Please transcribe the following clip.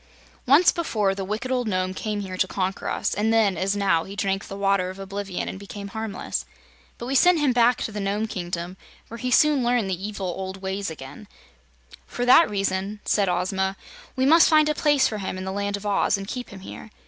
"Once before the wicked old Nome came here to conquer us, and then, as now, he drank of the Water of Oblivion and became harmless. But we sent him back to the Nome Kingdom, where he soon learned the old evil ways again. "For that reason," said Ozma, "we must find a place for him in the Land of Oz, and keep him here.